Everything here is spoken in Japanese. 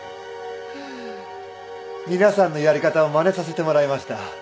皆さんのやり方をまねさせてもらいました。